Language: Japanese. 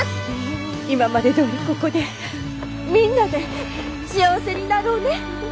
今までどおりここでみんなで幸せになろうね。